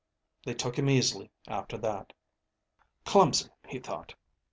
They took him easily after that.) Clumsy, he thought.